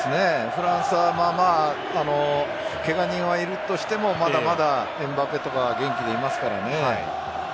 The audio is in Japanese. フランスはケガ人はいるとしてもまだまだエムバペとか元気にいますからね。